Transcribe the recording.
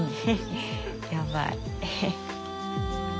やばい。